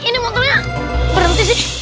ini motornya berhenti sih